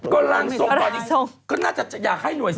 ก็ร่างทรงของดิมัยบ้างคนน่าจะจะอยากให้หน่วยสิว